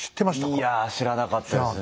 いや知らなかったですね。